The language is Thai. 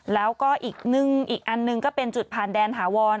แล้วก็อีกอันหนึ่งก็เป็นจุดผ่านแดนถาวร